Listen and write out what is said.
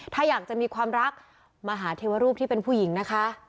ถ้าอยากจะมีความรักมหาเทวรูปที่เป็นผู้หญิงนะคะ